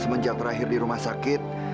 semenjak terakhir di rumah sakit